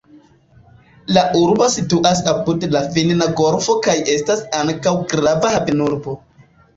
La urbo situas apud la Finna golfo kaj estas ankaŭ grava havenurbo.